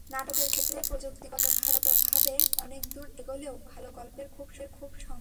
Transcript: নাটকের ক্ষেত্রে প্রযুক্তিগতভাবে আমরা অনেক দূর এগোলেও ভালো গল্পের খুব সংকট।